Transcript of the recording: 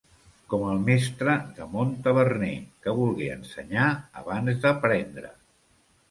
Com el mestre de Montaverner, que volgué ensenyar abans d'aprendre.